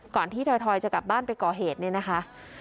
ก่อนที่ถอยจะกลับบ้านไปก่อเหตุเนี่ยนะคะ